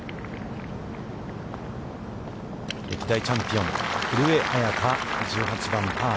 歴代チャンピオン、古江彩佳、１８番、パー。